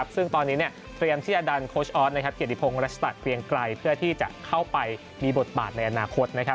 ซึ่งตอนนี้เตรียมที่จะดันโค้ชออสเกียรติพงศ์รัชตะเกรียงไกรเพื่อที่จะเข้าไปมีบทบาทในอนาคต